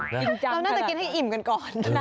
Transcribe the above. จริงเราน่าจะกินให้อิ่มกันก่อน